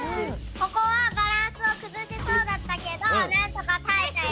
ここはバランスをくずしそうだったけどなんとかたえたよ。